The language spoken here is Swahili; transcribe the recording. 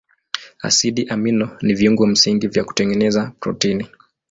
Asidi amino ni viungo msingi vya kutengeneza protini.